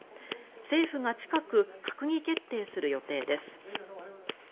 政府が近く閣議決定する予定です。